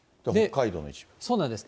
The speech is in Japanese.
そうなんです。